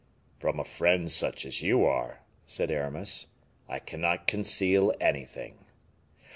"From a friend such as you are," said Aramis, "I cannot conceal anything."